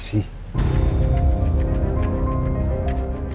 saya udah bilang